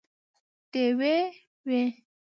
ډیوې وي